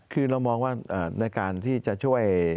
คือเรามองว่าในการที่จะช่วย